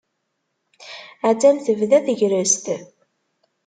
Hattan tebda tegrest.